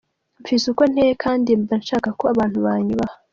"Mfise uko nteye kandi mba nshaka ko abantu banyubaha.